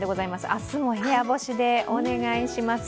明日も部屋干しでお願いします。